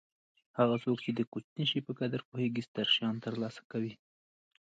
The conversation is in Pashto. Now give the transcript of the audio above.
هغه څوک چې د کوچني شي په قدر پوهېږي ستر شیان ترلاسه کوي.